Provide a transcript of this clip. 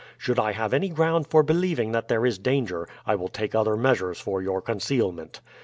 Should I have any ground for believing that there is danger, I will take other measures for your concealment.